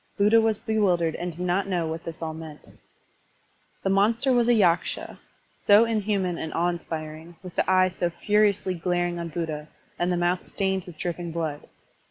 Buddha was bewildered and did not know what this all meant. The monster was a Yaksha, so inhuman and awe inspiring, with the eye so furiously glaring on Buddha, and the mouth stained with dripping blood.